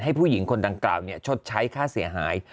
ผู้หญิงคนดังกล่าวชดใช้ค่าเสียหาย